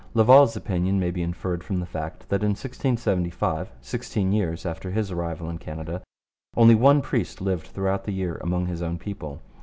Laval's opinion may be inferred from the fact that in 1675, sixteen years after his arrival in Canada, only one priest lived throughout the year among his own people.